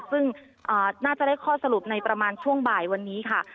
ซึ่งน่าจะได้ข้อสรุปในประมาณช่วงบ่ายวันนี้ค่ะ